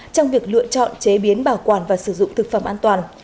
trong việc lựa chọn chế biến bảo quản và sử dụng thực phẩm an toàn